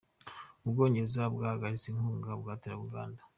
U Bwongereza bwahagaritse inkunga bwateraga Uganda